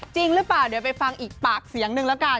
จริงหรือเปล่าเดี๋ยวไปฟังอีกปากเสียงนึงแล้วกัน